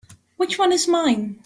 Which one is mine?